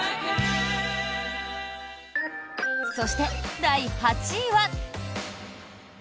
そして、第８位は。